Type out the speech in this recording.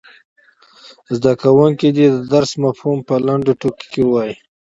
زده کوونکي دې د درس مفهوم په لنډو ټکو کې ووايي.